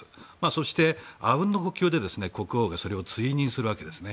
そして、あうんの呼吸で国王がそれを追認するわけですね。